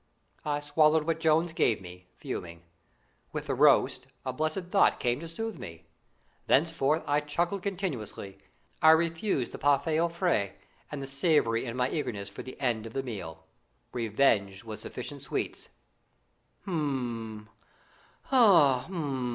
I swallowed what Jones gave me, fuming. With the roast, a blessed thought came to soothe me. Thenceforward I chuckled continuously. I refused the parfait aux frais and the savoury in my eagerness for the end of the meal. Revenge was sufficient sweets. "Haw, hum!"